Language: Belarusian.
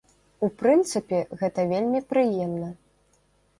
У прынцыпе, гэта вельмі прыемна.